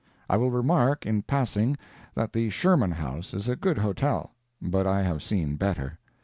I will remark, in passing, that the Sherman House is a good hotel, but I have seen better.